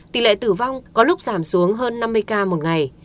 tỷ lệ tử vong có lúc giảm xuống hơn năm mươi ca một ngày